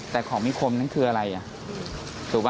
แต่ของมีคมนั้นคืออะไรถูกป่